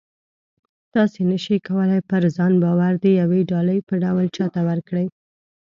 تاسې نه شئ کولی پر ځان باور د یوې ډالۍ په ډول چاته ورکړئ